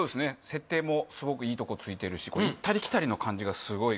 設定もすごくいいとこついてるしいったりきたりの感じがすごい